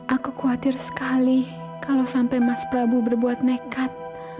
aku khawatir sekali kalau sampai mas prabu berbuat nekat